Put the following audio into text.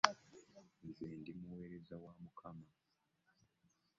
Nze ndi muweereza wa Mukama.